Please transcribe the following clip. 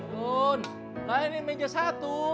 acun layanin meja satu